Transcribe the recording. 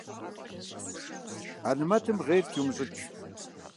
Анэмэтым гъейрэт иумыщӀэкӀ.